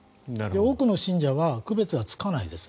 多くの信者は区別がつかないんです。